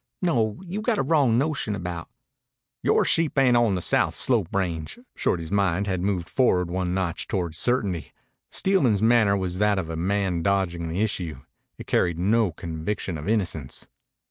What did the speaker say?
No, you got a wrong notion about " "Yore sheep ain't on the south slope range." Shorty's mind had moved forward one notch toward certainty. Steelman's manner was that of a man dodging the issue. It carried no conviction of innocence.